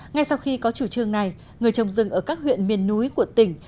ngay sau khi có chủ trương này người trồng rừng ở các huyện miền núi của tỉnh